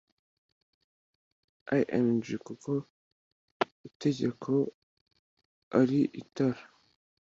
Img kuko itegeko ari itara